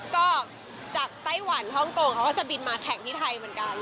ก็จากไต้หวันฮ่องกงเขาก็จะบินมาแข่งที่ไทยเหมือนกัน